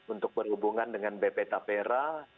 untuk berhubungan dengan bp tapera